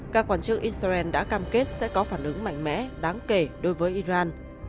các quan chức israel đã cam kết sẽ có phản ứng mạnh mẽ đáng kể đối với iran